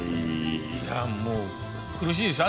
いやもう苦しいです